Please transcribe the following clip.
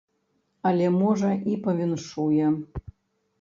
Але можа і павіншуе.